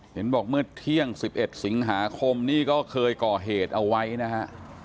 เห็นบอกเมื่อเที่ยง๑๑สิงหาคมนี่ก็เคยก่อเหตุเอาไว้นะฮะ